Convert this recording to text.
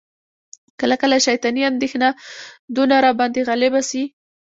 کله کله شیطاني اندیښنه دونه را باندي غالبه سي،